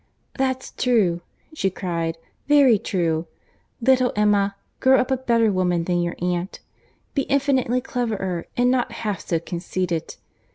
"That's true," she cried—"very true. Little Emma, grow up a better woman than your aunt. Be infinitely cleverer and not half so conceited.